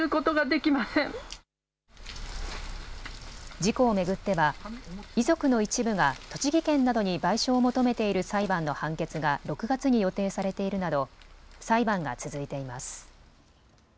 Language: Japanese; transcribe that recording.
事故を巡っては遺族の一部が栃木県などに賠償を求めている裁判の判決が６月に予定されているなど裁判が続いています。